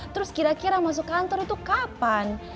terus kira kira masuk kantor itu kapan